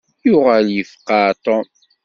Yuɣal yefqeɛ Tom.